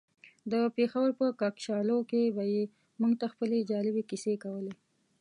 د پېښور په کاکشالو کې به يې موږ ته خپلې جالبې کيسې کولې.